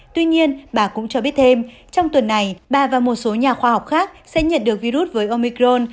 tuy nhiên bà cũng cho biết thêm trong tuần này bà và một số nhà khoa học khác sẽ nhận được virus với omicron